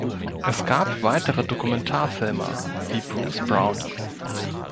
Es gab weitere Dokumentarfilmer wie Bruce Brown.